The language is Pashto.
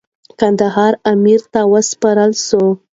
کندهار امیر ته وسپارل سو.